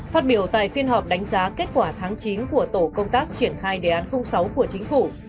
phát biểu tại phiên họp đánh giá kết quả tháng chín của tổ công tác triển khai đề án sáu của chính phủ